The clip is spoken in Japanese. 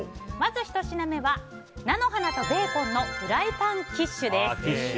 まず１品目は菜の花とベーコンのフライパンキッシュです。